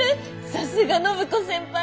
さすが暢子先輩！